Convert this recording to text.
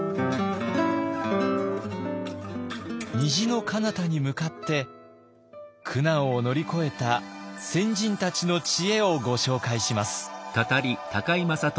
虹の彼方に向かって苦難を乗り越えた先人たちの知恵をご紹介します。